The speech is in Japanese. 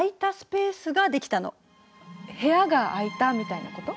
部屋が空いたみたいなこと？